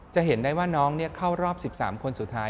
จะเห็นได้ว่าน้องเข้ารอบ๑๓คนสุดท้าย